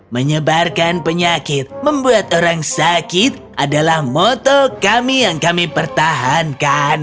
menyebarkan penyakit membuat orang sakit adalah moto kami yang kami pertahankan